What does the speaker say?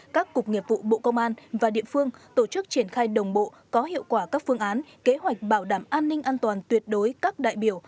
các cục nghiệp vụ bộ công an và địa phương tổ chức triển khai đồng bộ có hiệu quả các phương án kế hoạch bảo đảm an ninh an toàn tuyệt đối các đại biểu